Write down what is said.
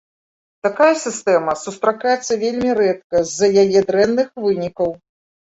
Такая сістэма сустракаецца вельмі рэдка з-за яе дрэнных вынікаў.